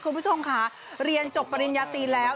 คุณผู้ชมค่ะเรียนจบปริญญาตีแล้ว